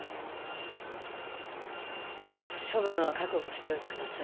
処分は覚悟しておいてください。